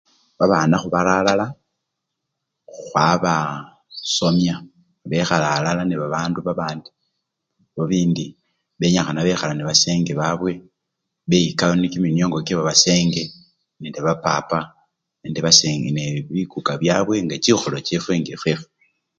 Babana khubara alala khwabaa! somya bekhala alala nebabandu babandi, bibindi benyikhana bekhala nebasenge babwe beyikamo kiminiongo kyebasenge, nende bapapa nende base! bikuka byabwe nga chikholo chefwe nga efwegfwe.